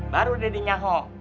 baru udah dinyaho